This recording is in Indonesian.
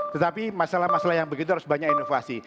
tetapi masalah masalah yang begitu harus banyak inovasi